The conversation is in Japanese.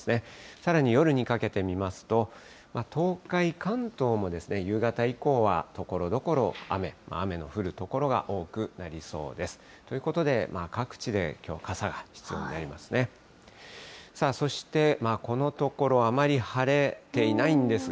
さらに夜にかけて見ますと、東海、関東も、夕方以降はところどころ雨、雨の降る所が多くなりそうです。ということで、各地できょう、傘が必要になりますね。